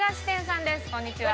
こんにちは。